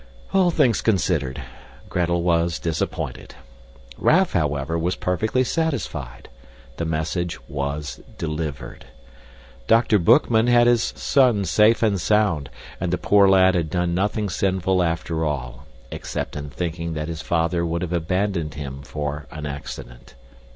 All things considered, Gretel was disappointed. Raff, however, was perfectly satisfied. The message was delivered. Dr. Boekman had his son safe and sound, and the poor lad had done nothing sinful after all, except in thinking that his father would have abandoned him for an accident.